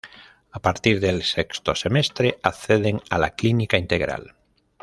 A partir del sexto semestre, acceden a la clínica integral.